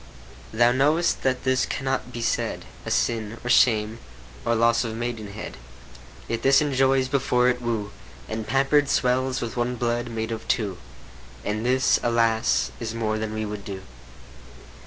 Thou know'st that this cannot be said A sin, nor shame, nor loss of maidenhead ; Yet this enjoys before it woo, And pamper'd swells with one blood made of two ; And this, alas ! is more than we would do.